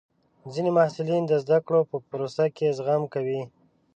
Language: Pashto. ځینې محصلین د زده کړې په پروسه کې زغم کوي.